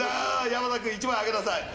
山田君、１枚あげなさい。